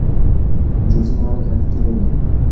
مجازي نړۍ حقیقي نه ده.